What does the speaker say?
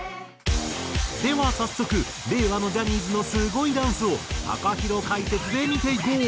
では早速令和のジャニーズのすごいダンスをＴＡＫＡＨＩＲＯ解説で見ていこう。